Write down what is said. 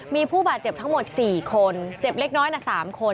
มีผู้บาดเจ็บทั้งหมด๔คนเจ็บเล็กน้อย๓คน